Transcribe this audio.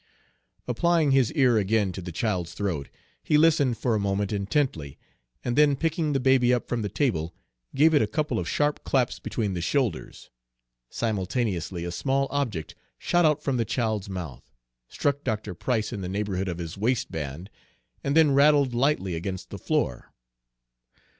Applying his ear again to the child's throat, he listened for a moment intently, and then picking the baby up from the table, gave it a couple of sharp claps between the shoulders. Simultaneously a small object shot out from the child's mouth, struck Dr. Price in the neighborhood of his waistband, and then rattled lightly against the floor.